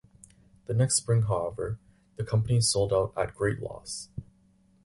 The next spring, however, the company sold out at great loss.